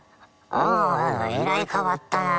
「ああえらい変わったな。